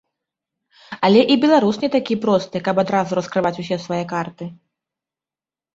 Але і беларус не такі просты, каб адразу раскрываць усе свае карты.